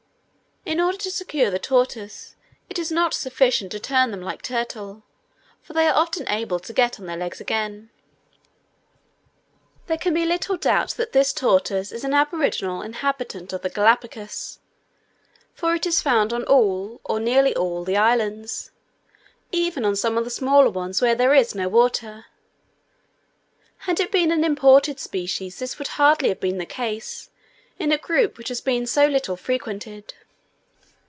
In order to secure the tortoise, it is not sufficient to turn them like turtle, for they are often able to get on their legs again. There can be little doubt that this tortoise is an aboriginal inhabitant of the Galapagos; for it is found on all, or nearly all, the islands, even on some of the smaller ones where there is no water; had it been an imported species, this would hardly have been the case in a group which has been so little frequented.